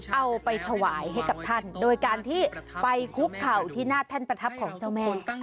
เอาไปถวายให้กับท่านโดยการที่ไปคุกเข่าที่หน้าแท่นประทับของเจ้าแม่